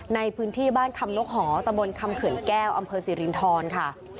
ในพื้นที่บ้านคำนกหอตะบนคำเขื่อนแก้วอำเภอสิรินทรค่ะ